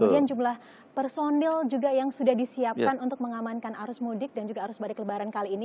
kemudian jumlah personil juga yang sudah disiapkan untuk mengamankan arus mudik dan juga arus balik lebaran kali ini